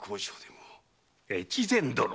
越前殿。